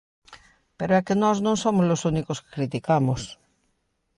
Pero é que nós non somos os únicos que criticamos.